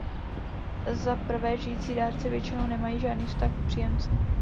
Za prvé, žijící dárci většinou nemají žádný vztah k příjemci.